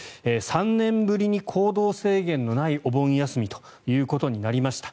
３年ぶりに行動制限のないお盆休みということになりました。